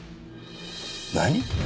何？